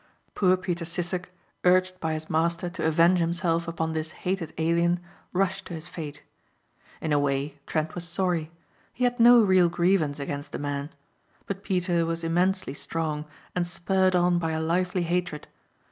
Poor Peter Sissek urged by his master to avenge himself upon this hated alien rushed to his fate. In a way Trent was sorry. He had no real grievance against the man. But Peter was immensely strong and spurred on by a lively hatred.